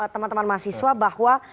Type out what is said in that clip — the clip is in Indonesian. teman teman mahasiswa bahwa